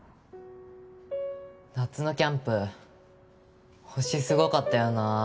夏のキャンプ星すごかったよな。